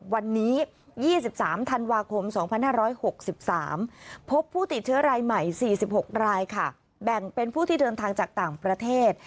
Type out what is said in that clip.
วันนี้๒๓ธันวาคม๒๕๖๓พบผู้ติดเชื้อรายใหม่๔๖รายค่ะแบ่งเป็นผู้ที่เดินทางจากต่างประเทศ